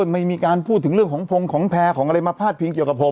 ไม่มีการพูดถึงเรื่องของพงของแพร่ของอะไรมาพาดพิงเกี่ยวกับผม